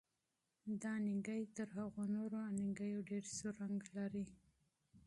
دا انار تر هغو نورو انارو ډېر سور رنګ لري.